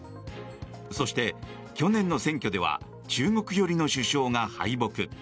そして、去年の選挙では中国寄りの首相が敗北。